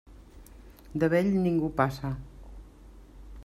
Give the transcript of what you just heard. De vell ningú passa.